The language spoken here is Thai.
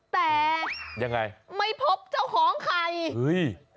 แต่ไม่พบเจ้าของใครยังไง